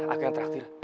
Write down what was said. aku yang terakhir